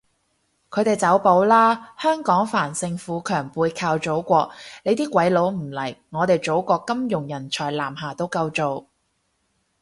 佢哋走寶喇，香港繁盛富強背靠祖國，你啲鬼佬唔嚟，我哋祖國金融人才南下都夠做